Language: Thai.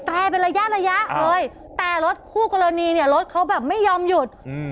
เป็นระยะระยะเลยแต่รถคู่กรณีเนี่ยรถเขาแบบไม่ยอมหยุดอืม